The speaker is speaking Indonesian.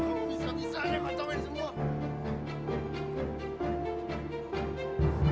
bisa bisa aneh kacauin semua